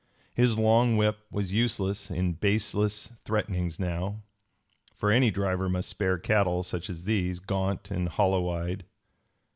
His long whip was used in baseless threatenings now, for any driver must spare cattle such as these, gaunt and hollow eyed.